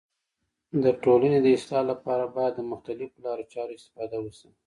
د ټولني د اصلاح لپاره باید د مختلیفو لارو چارو استفاده وسي.